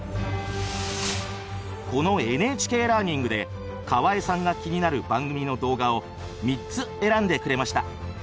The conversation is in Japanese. この「ＮＨＫラーニング」で河江さんが気になる番組の動画を３つ選んでくれました。